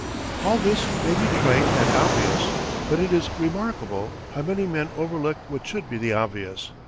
All this may be trite and obvious, but it is remarkable how many men overlook what should be the obvious.